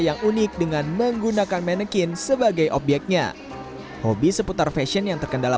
yang unik dengan menggunakan manekin sebagai obyeknya hobi seputar fashion yang terkendala